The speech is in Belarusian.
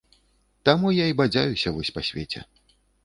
Таму я і бадзяюся вось па свеце.